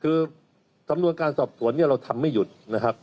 คือสำนวนการสอบสวนเนี่ยเราทำไม่หยุดนะครับ